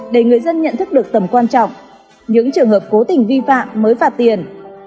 để người dân nhận thức được tầm quan trọng những trường hợp cố tình vi phạm mới phạt tiền